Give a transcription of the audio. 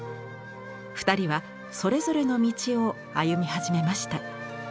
２人はそれぞれの道を歩み始めました。